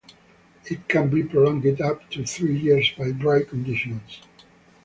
It can be prolonged up to three years by dry conditions.